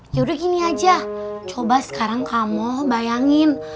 yaudah gini aja coba sekarang kamu bayangin